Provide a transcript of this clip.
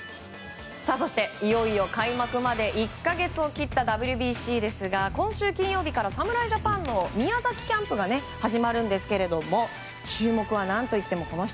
そして、いよいよ開幕まで１か月を切ったＷＢＣですが、今週金曜日から侍ジャパンの宮崎キャンプが始まるんですが注目は、何といってもこの人。